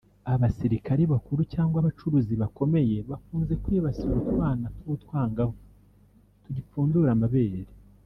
abasirikare bakuru cyangwa abacuruzi bakomeye bakunze kwibasira utwana tw’utwangavu tugipfundura amabere